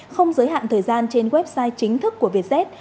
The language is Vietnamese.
không giới hạn thời gian trên website chính thức của vietjet